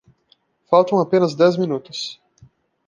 Faltam apenas dez minutos